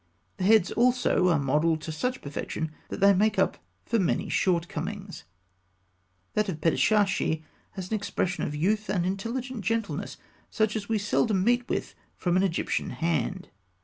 The heads also are modelled to such perfection that they make up for many shortcomings. That of Pedishashi (fig. 205) has an expression of youth and intelligent gentleness such as we seldom meet with from an Egyptian hand.